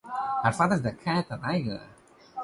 Her father is Keith Regier.